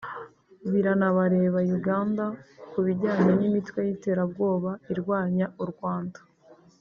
biranabareba [Uganda] ku bijyanye n’imitwe y’iterabwoba irwanya u Rwanda